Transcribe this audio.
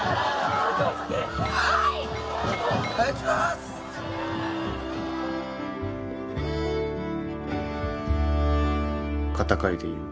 はい！